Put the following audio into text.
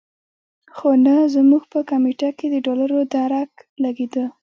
خو نه زموږ په کمېټه کې د ډالرو درک لګېدو.